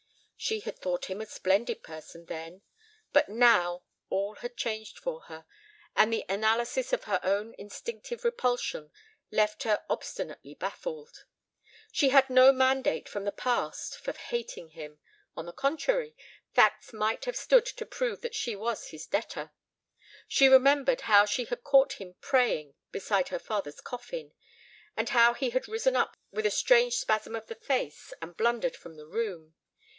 She had thought him a splendid person then, but now—all had changed for her, and the analysis of her own instinctive repulsion left her obstinately baffled. She had no mandate from the past for hating him; on the contrary, facts might have stood to prove that she was his debtor. She remembered how she had caught him praying beside her father's coffin, and how he had risen up with a strange spasm of the face and blundered from the room.